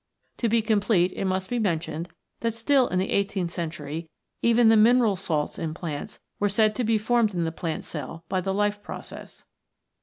To be complete it must be mentioned that still in the eighteenth century even the mineral salts in plants were said to be formed in the plant cell by the Life Process.